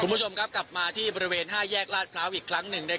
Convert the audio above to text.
คุณผู้ชมครับกลับมาที่บริเวณ๕แยกลาดพร้าวอีกครั้งหนึ่ง